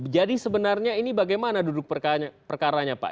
jadi sebenarnya ini bagaimana duduk perkaranya pak